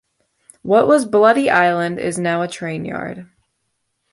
What was Bloody Island is now a train yard.